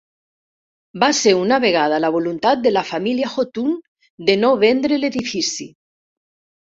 Va ser una vegada la voluntat de la família Hotung de no vendre l'edifici.